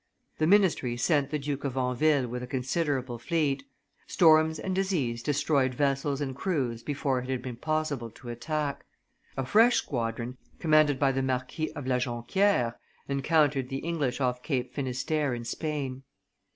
The ministry sent the Duke of Anville with a considerable fleet; storms and disease destroyed vessels and crews before it had been possible to attack. A fresh squadron, commanded by the Marquis of La Jonquiere, encountered the English off Cape Finisterre in Spain.